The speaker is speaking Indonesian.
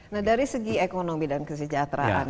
nah dari segi ekonomi dan kesejahteraan